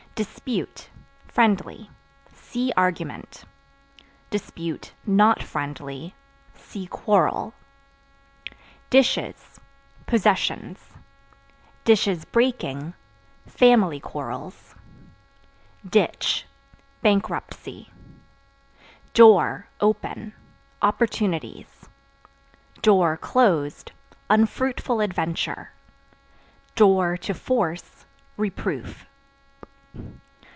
Dispute (Friendly) see Argument; (not friendly) see Quarrel. Dishes Possessions; (breaking) family quarrels. Ditch Bankruptcy. Door (Open) opportunities; (closed) unfruitful adventure; (to force) reproof.